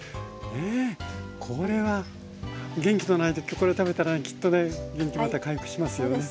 これは元気のない時これ食べたらきっとね元気また回復しますよね。